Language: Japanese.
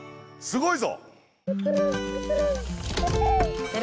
すごいぞ！